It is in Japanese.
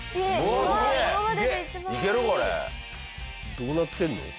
どうなってるの？